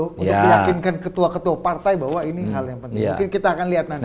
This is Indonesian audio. untuk meyakinkan ketua ketua partai bahwa ini hal yang penting